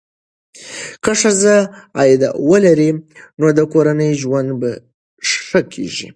که ښځه عاید ولري، نو د کورنۍ ژوند ښه کېږي.